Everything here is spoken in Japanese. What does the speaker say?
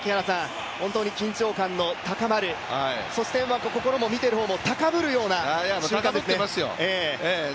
本当に緊張感の高まる、そして心も、見ている方も高ぶるような瞬間ですね。